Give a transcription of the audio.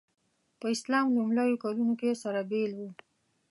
په اسلام لومړیو کلونو کې سره بېل وو.